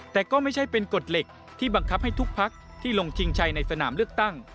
แต่ก็ไม่ใช่เป็นกฎเหล็กที่บังคับให้ทุกพักที่ลงชิงชัยในสนามเลือกตั้ง